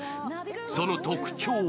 その特徴は？